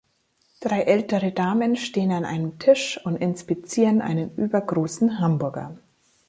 Drei ältere Damen stehen an einem Tisch und inspizieren einen übergroßen Hamburger.